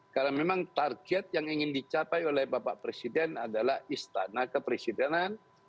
karena memang target yang ingin dicapai oleh bapak presiden adalah istana kepresidenan